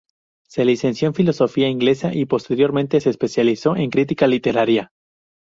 Se licenció en Filología Inglesa y posteriormente se especializó en crítica literaria.